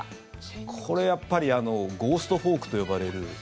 これ、やっぱりゴーストフォークと呼ばれる。